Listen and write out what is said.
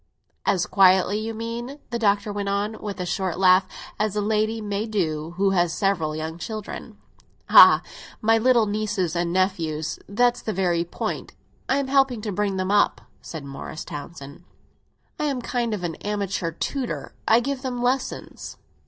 "As quietly, you mean," the Doctor went on, with a short laugh, "as a lady may do who has several young children." "Ah, my little nephews and nieces—that's the very point! I am helping to bring them up," said Morris Townsend. "I am a kind of amateur tutor; I give them lessons."